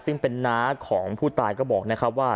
ซึ่งเป็นน้าของผู้ตายก็บอกนะครับว่า